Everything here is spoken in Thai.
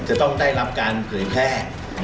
จะต้องได้รับการเผยแพร่